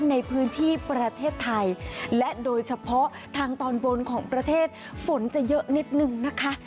ในพื้นที่ประเทศไทยและโดยเฉพาะทางตอนบนของประเทศฝนจะเยอะนิดนึงนะคะ